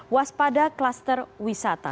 waspada kluster wisata